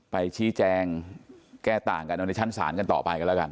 ไปชี้แจงแก้ต่างกันเอาในชั้นศาลกันต่อไปกันแล้วกัน